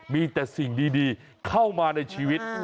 มีแต่สิ่งดีเข้ามาในชีวิต